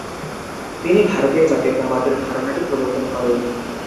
তিনি ভারতীয় জাতীয়তাবাদের ধারণাটি প্রবর্তন করেন।